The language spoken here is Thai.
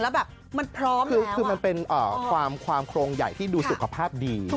แล้วแบบมันพร้อมคือมันเป็นความโครงใหญ่ที่ดูสุขภาพดี